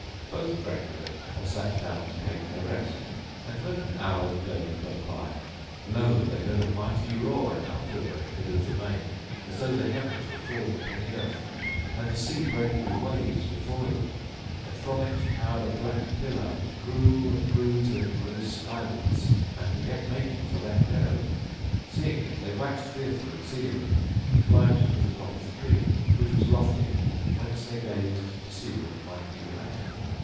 Both drank of it and sat down to take their rest; and when an hour of the day had gone by: lo! they heard a mighty roar and uproar in the middle of the main as though the heavens were falling upon the earth; and the sea brake with waves before them, and from it towered a black pillar, which grew and grew till it rose skywards and began making for that meadow. Seeing it, they waxed fearful exceedingly and climbed to the top of the tree, which was a lofty; whence they gazed to see what might be the matter.